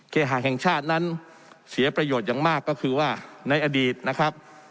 หาแห่งชาตินั้นเสียประโยชน์อย่างมากก็คือว่าในอดีตนะครับ